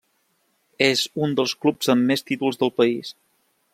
És un dels clubs amb més títols del país.